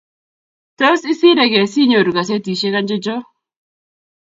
Tos, isiregei siinyoru kasetishek anjocho?